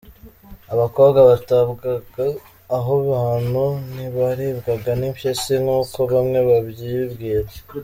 Abakobwa batabwaga aho hantu ntibaribwaga n’impyisi nk’uko bamwe babyibwira.